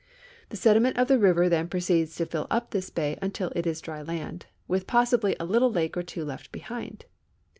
The sediment of the river then proceeds to fill up this bay until it is dry land, with possibly a little lake or two left behind.